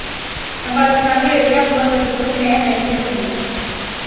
ہم پاکستانی لڑکیاں بہت مضبوط ہیں منہل سہیل